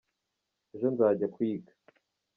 Ejo nzajya kwiga.